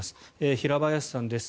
平林さんです。